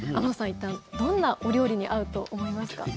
一体どんなお料理に合うと思いますか？